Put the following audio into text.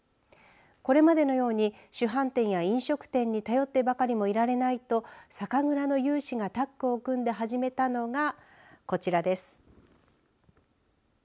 これまでのように酒販店や飲食店に頼ってばかりもいられないと酒蔵の有志がタッグを組んで始めたのがこちらです。